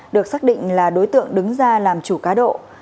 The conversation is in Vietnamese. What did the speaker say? được xác định là đối tượng đứng ra làm chủ cá độ